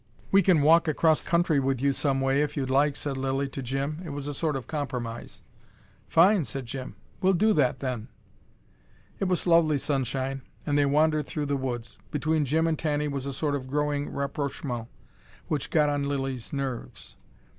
"We can walk across country with you some way if you like," said Lilly to Jim. It was a sort of compromise. "Fine!" said Jim. "We'll do that, then." It was lovely sunshine, and they wandered through the woods. Between Jim and Tanny was a sort of growing rapprochement, which got on Lilly's nerves.